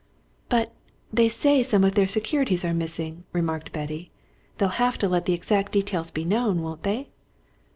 "But they say some of their securities are missing," remarked Betty. "They'll have to let the exact details be known, won't they?"